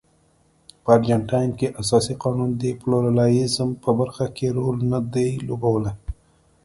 په ارجنټاین کې اساسي قانون د پلورالېزم په برخه کې رول نه دی لوبولی.